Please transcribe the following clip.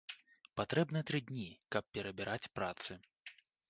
Патрэбны тры дні, каб перабіраць працы.